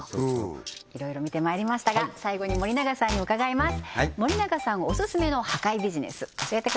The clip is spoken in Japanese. いろいろ見てまいりましたが最後に森永さんに伺います